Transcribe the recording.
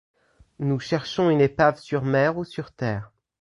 Nous cherchons une épave sur mer ou sur terre!